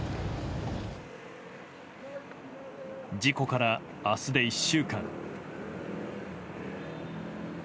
事故から明日で１週間。